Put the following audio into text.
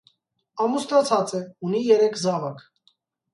Ամուսնացած է, ունի երեք զաւակ։